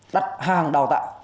đặt hàng đào tạo